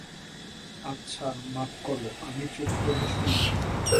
আচ্ছা, মাপ করো, আমি চুপ করে শুনব।